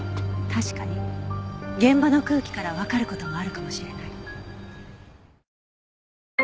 確かに現場の空気からわかる事もあるかもしれない。